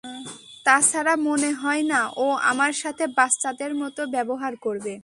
তাছাড়া, মনে হয় না ও আমার সাথে বাচ্চাদের মতো ব্যবহার করবে।